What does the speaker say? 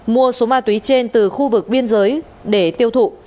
mua số ma túy trên từ khu vực biên giới để tiêu thụ